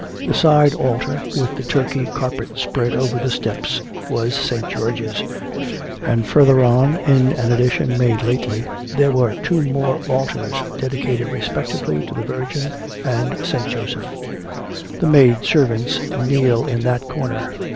The side altar, with the Turkey carpet spread over the steps, was St. George's, and further on, in an addition made lately, there were two more altars, dedicated respectively to the Virgin and St. Joseph, 'The maid servants kneel in that corner.